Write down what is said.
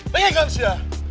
pengen kan sya